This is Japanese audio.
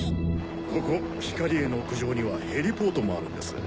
ここヒカリエの屋上にはヘリポートもあるんです。